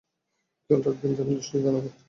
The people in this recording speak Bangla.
খেয়াল রাখবেন যেন দুশ্চিন্তা না করে।